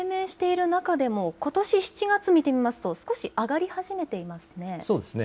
低迷している中でもことし７月見てみますと少し上がり始めていますね。